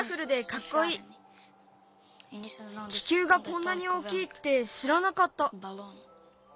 気球がこんなに大きいってしらなかった。